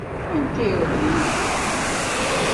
Anta i iṛuḥen yid-wen?